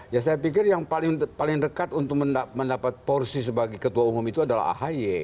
ya saya pikir yang paling dekat untuk mendapat porsi sebagai ketua umum itu adalah ahy